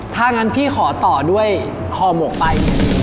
ถ้างั้นพี่ขอต่อด้วยห่อหมกไป